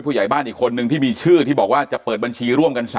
ผู้ใหญ่บ้านอีกคนนึงที่มีชื่อที่บอกว่าจะเปิดบัญชีร่วมกัน๓